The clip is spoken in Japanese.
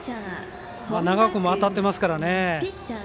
長尾君も当たってますからね。